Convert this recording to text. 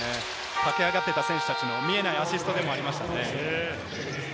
駆け上がった選手たちも見えないアシストがありましたね。